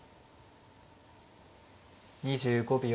２５秒。